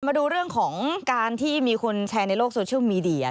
มาดูเรื่องของการที่มีคนแชร์ในโลกโซเชียลมีเดีย